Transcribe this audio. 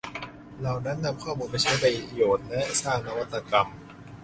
เหล่านั้นนำข้อมูลไปใช้ประโยชน์และสร้างนวัตกรรม